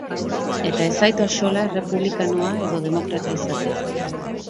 Eta ez zait axola errepublikanoa edo demokrata izatea.